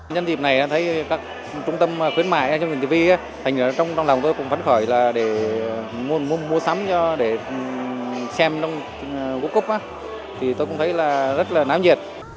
nhân dịp này thấy các trung tâm khuyến mại trong chiếc tv thành ra trong lòng tôi cũng phấn khởi là để mua sắm cho để xem world cup thì tôi cũng thấy là rất là náo nhiệt